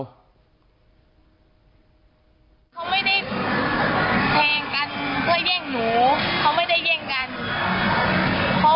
เขาไม่ได้แทงกันเพื่อแย่งหนูเขาไม่ได้แย่งกันเพราะว่าตอนนี้ไม่มีใครแย่งใครหนู